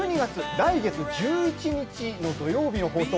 来月１１日の土曜日の放送。